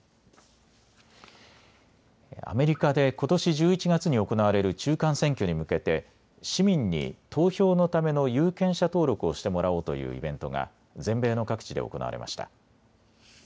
アメリカで、ことし１１月に行われる中間選挙に向けて市民に投票のための有権者登録をしてもらおうというイベントが全米の各地で行われました。